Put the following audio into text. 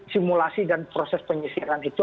simulasi dan proses penyisiran itu